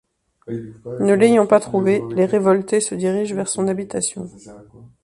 Ne l'ayant pas trouvé, les révoltés se dirigent vers son habitation.